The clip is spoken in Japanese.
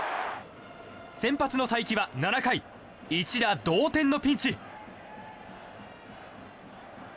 先発の才木は７回一打同点のピンチ。